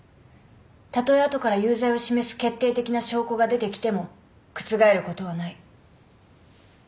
たとえ後から有罪を示す決定的な証拠が出てきても覆ることはない。